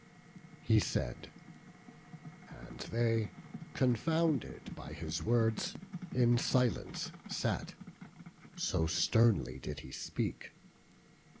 He said, and they, confounded by his words, In silence sat; so sternly did he speak.